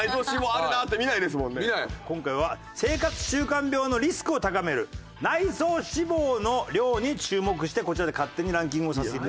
今回は生活習慣病のリスクを高める内臓脂肪の量に注目してこちらで勝手にランキングをさせて頂きました。